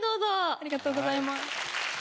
ありがとうございます。